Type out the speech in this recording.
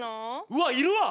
うわいるわ！